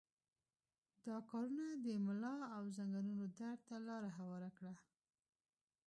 دا کارونه د ملا او زنګنونو درد ته لاره هواره کړه.